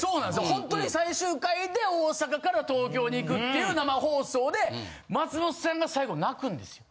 ほんとに最終回で大阪から東京に行くっていう生放送で松本さんが最後泣くんですよ。